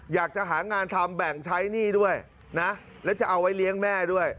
อยากจะหางานทำแบ่งใช้หนี้ด้วยนะแล้วจะเอาไว้เลี้ยงแม่ด้วย